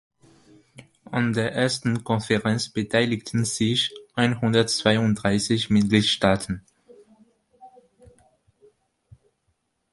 An der ersten Konferenz beteiligten sich einhundertzweiunddreißig Mitgliedstaaten.